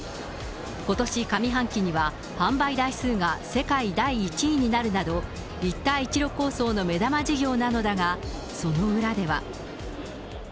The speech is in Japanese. ことし上半期には、販売台数が世界第１位になるなど、一帯一路構想の目玉事業なのだが、その裏では。